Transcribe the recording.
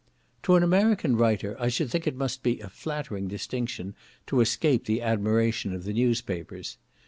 To an American writer, I should think it must be a flattering distinction to escape the admiration of the newspapers.